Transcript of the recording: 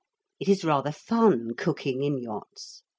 It is rather fun cooking in yachts.